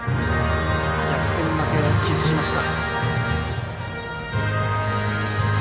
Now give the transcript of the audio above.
逆転負けを喫しました。